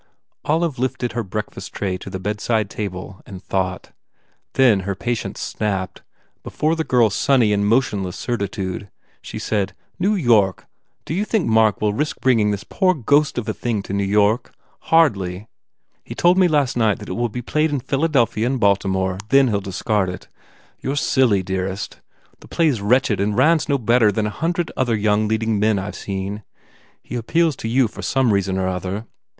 Olive lifted her breakfast tray to the bedside table and thought. Then her patience snapped, before the girl s sunny and motionless certitude. She said, "New York! Do you think Mark will risk bringing this poor ghost of a thing to New York? Hardly! He told me last night it will be played in Philadelphia ^ind Baltimore, then he ll discard it. You re silly, dearest! The play s wretched and Rand s no better than a hundred other young leading men I ve seen. 234 BUBBLE He appeals to you for some reason or other.